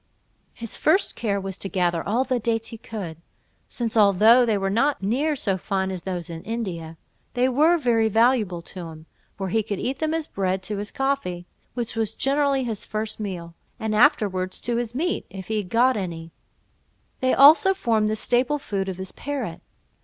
His first care was to gather all the dates he could, since although they were not near so fine as those in India, they were very valuable to him, for he eat them as bread to his coffee, which was generally his first meal, and afterwards to his meat, if he had got any: they also formed the staple food of his parrot.